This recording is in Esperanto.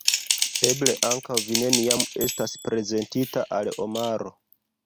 Eble ankaŭ vi neniam estas prezentita al Omaro.